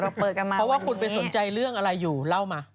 เขาว่าคุณไปสนใจเรื่องอะไรอยู่เล่ามา